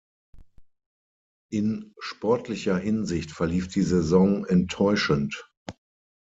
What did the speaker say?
In sportlicher Hinsicht verlief die Saison enttäuschend.